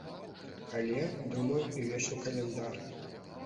Але, думаю, і вечны каляндар.